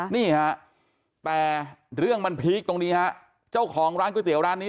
นี่ฮะแต่เรื่องมันพีคตรงนี้ฮะเจ้าของร้านก๋วยเตี๋ยวร้านนี้